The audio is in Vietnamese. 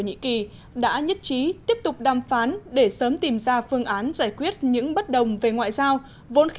nhĩ kỳ đã nhất trí tiếp tục đàm phán để sớm tìm ra phương án giải quyết những bất đồng về ngoại giao